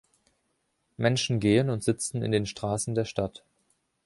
Menschen gehen und sitzen in den Straßen der Stadt.